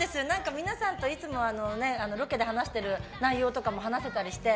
皆さんといつもロケで話してる内容とかも話せたりして。